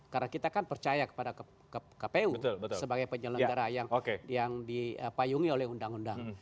karena kita kan percaya kepada kpu sebagai penyelenggara yang dipayungi oleh undang undang